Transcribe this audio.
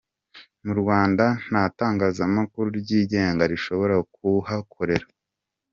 -Mu Rda nta tangazamakuru ryigenga rishobora kuhakorera